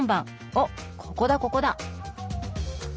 おっここだここだ！